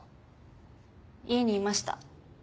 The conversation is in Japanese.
家にいました。